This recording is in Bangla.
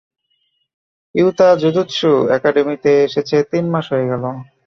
ইউতা জুজুৎসু একাডেমীতে এসেছে তিন মাস হয়ে গেল।